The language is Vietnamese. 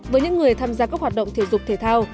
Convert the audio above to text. với những người tham gia các hoạt động thể dục thể thao